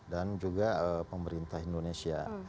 dan juga pemerintah indonesia